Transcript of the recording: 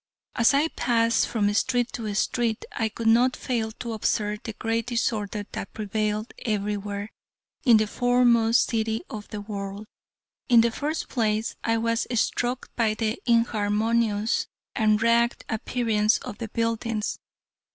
As I passed from street to street I could not fail to observe the great disorder that prevailed everywhere, in the foremost city of the world. In the first place, I was struck by the inharmonious and ragged appearance of the buildings.